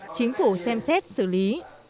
chính phủ xem xét xử lý